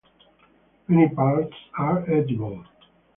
Many parts are edible.